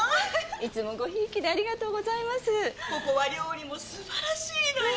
ここは料理も素晴らしいのよ。